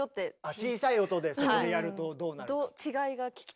小さい音でそこでやるとどうなります？